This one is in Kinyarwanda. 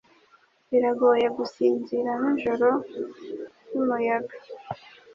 Biragoye gusinzira nijoro ryumuyaga